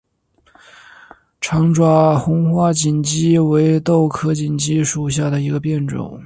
长爪红花锦鸡儿为豆科锦鸡儿属下的一个变种。